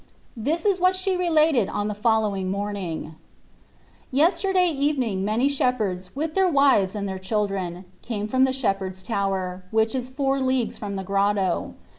This is what she related on the following morning : Yesterday evening many shepherds, with their wives and even their children, came from the Shepherd s Tower, which is four leagues from the grotto.